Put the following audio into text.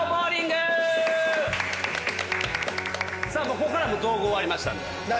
ここからは造語終わりましたんで。